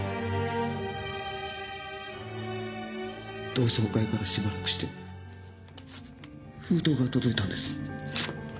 同窓会からしばらくして封筒が届いたんです。